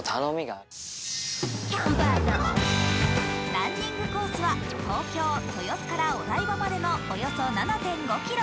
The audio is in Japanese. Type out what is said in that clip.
ランニングコースは東京・豊洲からお台場までのおよそ７．５ｋｍ。